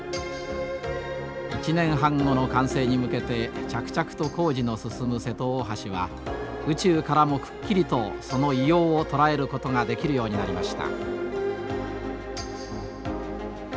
１年半後の完成に向けて着々と工事の進む瀬戸大橋は宇宙からもくっきりとその威容を捉えることができるようになりました。